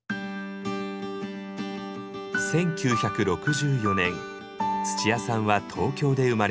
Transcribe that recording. １９６４年つちやさんは東京で生まれます。